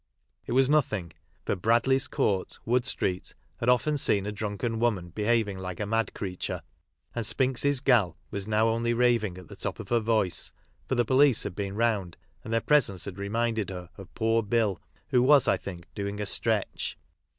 It was nothing; for Bradley's court, Wood street, had often seen a drunken woman behaving like a mad creature, and "Spinks's gal" was now only raving at the top of her voice, for the police had been round, and their presence had reminded her of poor " Bill " who was, I think, doing a stretch.